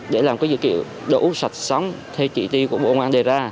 để làm cái dữ liệu đủ sạch sống theo trị tiêu của bộ ngoan đề ra